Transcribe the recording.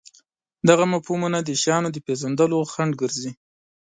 دغه مفهومونه د شیانو د پېژندلو خنډ ګرځي.